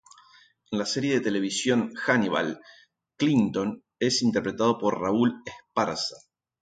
En la serie de televisión Hannibal, Chilton es interpretado por Raúl Esparza.